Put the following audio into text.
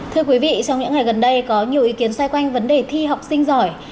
thưa quý vị trong những ngày gần đây có nhiều ý kiến xoay quanh vấn đề thi học sinh giỏi